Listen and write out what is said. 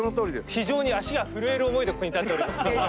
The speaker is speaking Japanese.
非常に足が震える思いでここに立っております。